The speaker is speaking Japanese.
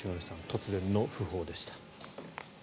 突然の訃報でした。